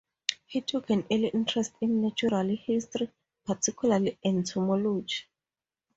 He took an early interest in natural history, particularly entomology.